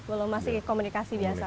belum masih komunikasi biasa